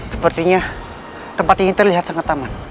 sepertinya tempat ini terlihat sangat taman